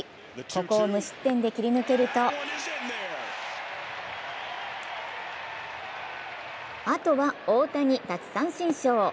ここを無失点で切り抜けるとあとは大谷奪三振ショー。